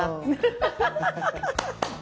アハハハハ。